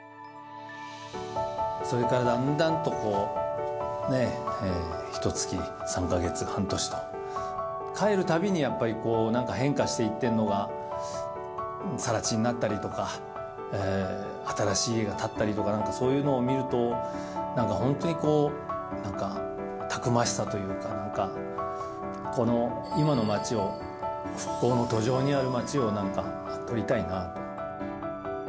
それからだんだんと、ね、ひとつき、３か月、半年と、帰るたびにやっぱりなんか変化していってるのが、さら地になったりとか、新しい家が建ったりとか、なんか、そういうのを見ると、なんか本当にこう、たくましさというか、この今の街を、復興の途上にある街を撮りたいなと。